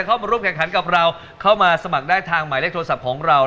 เข้ามาร่วมแข่งขันกับเราเข้ามาสมัครได้ทางหมายเลขโทรศัพท์ของเรา